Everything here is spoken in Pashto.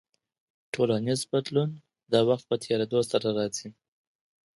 ټولنیز بدلون د وخت په تیریدو سره راځي.